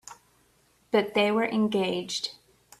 But they were engaged.